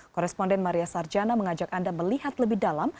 koresponden maria sarjana mengajak anda melihat lebih dalam